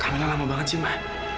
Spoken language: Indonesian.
kamilah lama banget sih ma